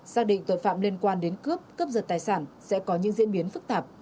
xác định tội phạm liên quan đến cướp cướp giật tài sản sẽ có những diễn biến phức tạp